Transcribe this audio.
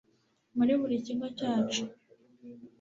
Muri buri kigo cyacu